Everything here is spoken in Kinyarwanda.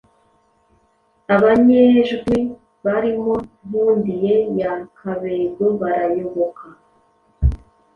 Abanyejwi barimo Nkundiye ya Kabego barayoboka